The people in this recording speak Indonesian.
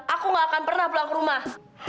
aku gak akan pernah pulang ke rumah